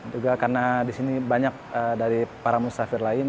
juga karena di sini banyak dari para mustafir lain